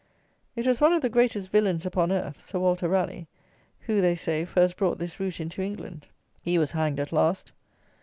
It was one of the greatest villains upon earth (Sir Walter Raleigh), who (they say) first brought this root into England. He was hanged at last!